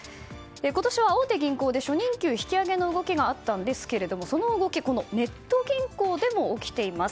今年は大手銀行で初任給引き上げの動きがあったんですがその動きネット銀行でも起きています。